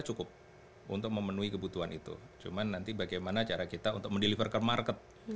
cukup untuk memenuhi kebutuhan itu cuma nanti bagaimana cara kita untuk mendeliver ke market